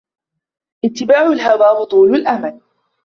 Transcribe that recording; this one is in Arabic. اتِّبَاعَ الْهَوَى وَطُولَ الْأَمَلِ